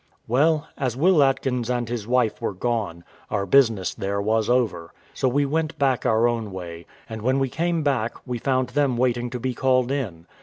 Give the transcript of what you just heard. Well, as Will Atkins and his wife were gone, our business there was over, so we went back our own way; and when we came back, we found them waiting to be called in.